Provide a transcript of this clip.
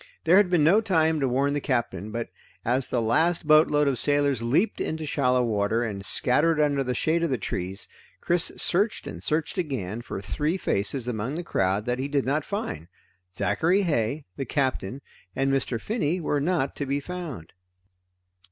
There had been no time to warn the Captain, but as the last boatload of sailors leaped into shallow water and scattered under the shade of the trees, Chris searched and searched again for three faces among the crowd that he did not find. Zachary Heigh, the Captain, and Mr. Finney were not to be found.